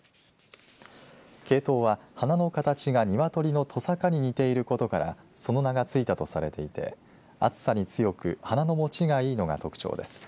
ケイトウは花の形が鶏のとさかに似ていることからその名が付いたとされていて暑さに強く花の持ちがいいのが特徴です。